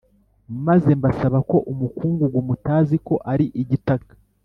Maze mbasaba ko umukungugu mutaziko ari igitaka